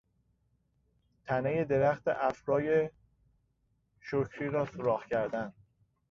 تنهی درخت افرای شکری را سوراخ کردن